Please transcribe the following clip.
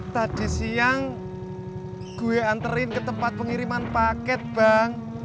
tadi siang gue anterin ke tempat pengiriman paket bang